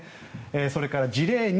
それから事例２。